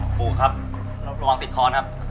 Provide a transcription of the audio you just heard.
ปู่ครับลองติดคอร์นครับ